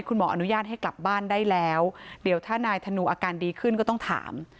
คุณหมออนุญาตให้กลับบ้านได้แล้วเดี๋ยวถ้านายธนูอาการดีขึ้นก็ต้องถาม